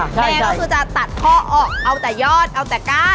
แม่สิก็จะตัดค่อเอาแต่ยอดเอาแต่ก้าน